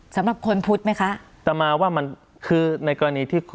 สำหรับคนพุทธไหมคะต่อมาว่ามันคือในกรณีที่